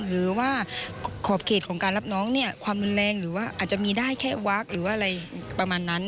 หรือว่าขอบเขตของการรับน้องเนี่ยความรุนแรงหรือว่าอาจจะมีได้แค่วักหรือว่าอะไรประมาณนั้น